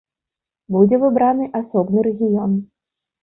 Будзе выбраны асобны рэгіён.